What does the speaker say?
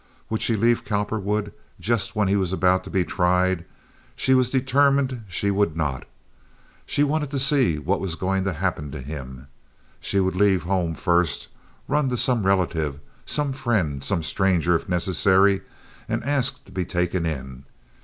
Would she leave Cowperwood just when he was about to be tried? She was determined she would not. She wanted to see what was going to happen to him. She would leave home first—run to some relative, some friend, some stranger, if necessary, and ask to be taken in.